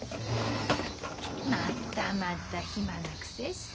まったまた暇なくせして。